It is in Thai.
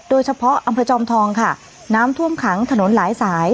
โดยเฉพาะอำเภอจอมทองค่ะน้ำท่วมขังถนนหลายสาย